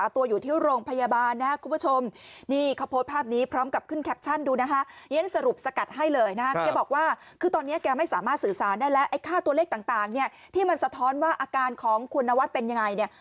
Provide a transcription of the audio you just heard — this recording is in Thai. ที่มันสะท้อนว่าอาการของคุณนวัตรเป็นยังไง